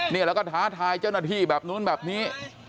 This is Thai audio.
แล้วก็ท้าทายเจ้าหน้าที่แบบนู้นแบบนี้